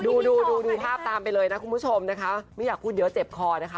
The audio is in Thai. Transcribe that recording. ดูดูภาพตามไปเลยนะคุณผู้ชมนะคะไม่อยากพูดเยอะเจ็บคอนะคะ